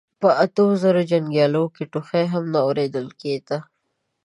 په اتو زرو جنګياليو کې ټوخی هم نه اورېدل کېده.